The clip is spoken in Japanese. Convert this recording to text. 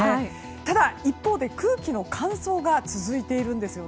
ただ一方で空気の乾燥が続いているんです。